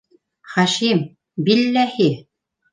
Хашим, биллаһи...